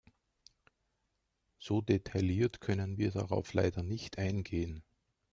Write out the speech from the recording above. So detailliert können wir darauf leider nicht eingehen.